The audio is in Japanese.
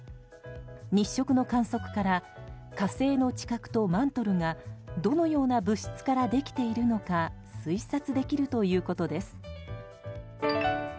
日食の観測から火星の地殻とマントルがどのような物質からできているのか推察できるということです。